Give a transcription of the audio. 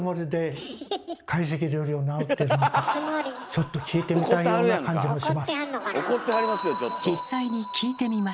ちょっと聞いてみたいような感じもします。